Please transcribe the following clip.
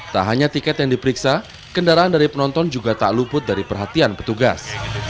tak hanya tiket yang diperiksa kendaraan dari penonton juga tak luput dari perhatian petugas